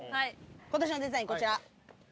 今年のデザインこちら。